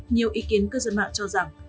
nhiều ý kiến cư dân mạng cho rằng